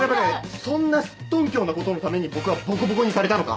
そんなすっとんきょうなことのために僕はボコボコにされたのか？